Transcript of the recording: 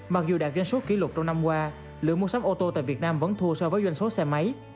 mặc dù đạt doanh số kỷ lục trong năm qua lượng mua sắm ô tô tại việt nam vẫn thua so với doanh số xe máy